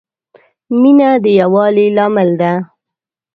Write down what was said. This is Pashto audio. مینه د یووالي لامل ده.